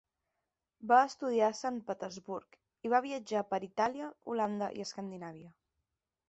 Va estudiar a Sant Petersburg i va viatjar per Itàlia, Holanda i Escandinàvia.